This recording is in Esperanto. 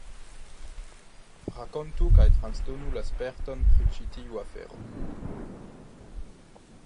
Rakontu kaj transdonu la sperton pri ĉi tiu afero.